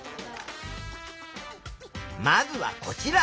まずはこちら。